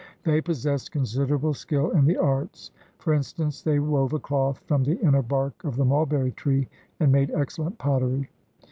They possessed considerable skill in the arts. For in stance, they wove a cloth from the inner bark of the mulberry tree and made excellent pottery.